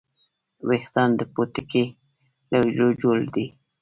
ویښتان د پوټکي له حجرو جوړ دي